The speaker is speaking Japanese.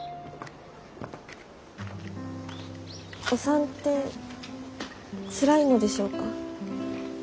お産ってつらいのでしょうか？